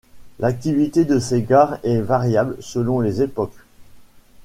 L'activité de ces gares est variable selon les époques.